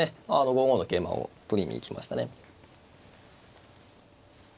５五の桂馬を取りに行きましたね。